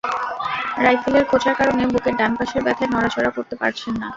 রাইফেলের খোঁচার কারণে বুকের ডান পাশের ব্যথায় নড়াচড়া করতে পারছেন না।